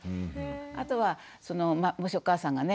あとはもしお母さんがね